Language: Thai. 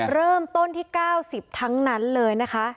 เริ่มต้นที่๙๐ทั้งนั้นเลยนะคะ